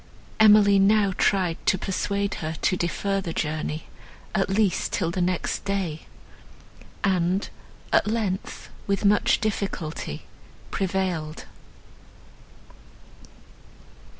Emily now tried to persuade her to defer the journey, at least till the next day, and, at length, with much difficulty, prevailed.